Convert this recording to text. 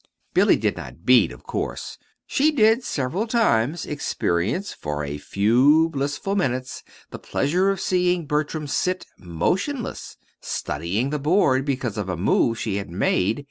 Billy did not beat, of course. But she did several times experience for a few blissful minutes the pleasure of seeing Bertram sit motionless, studying the board, because of a move she had made.